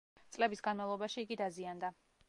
წლების განმავლობაში იგი დაზიანდა.